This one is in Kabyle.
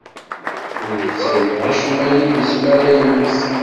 Ur ittawi acemma yid-s mi ara yemmet.